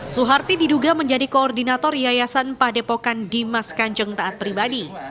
suharti diduga menjadi koordinator yayasan padepokan dimas kanjeng taat pribadi